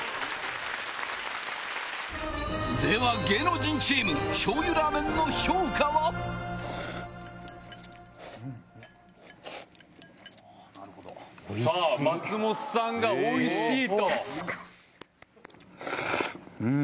では芸能人チームしょう油らーめんの評価は⁉さあ松本さんがおいしいとさすが！うん！